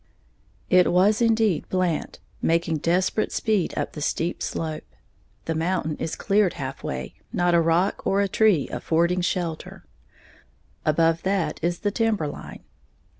It was indeed Blant, making desperate speed up the steep slope. The mountain is cleared halfway, not a rock or a tree affording shelter; above that is the timber line.